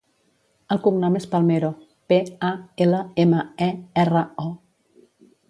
El cognom és Palmero: pe, a, ela, ema, e, erra, o.